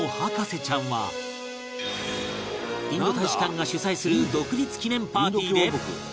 インド大使館が主催する独立記念パーティーで